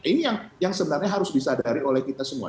ini yang sebenarnya harus disadari oleh kita semua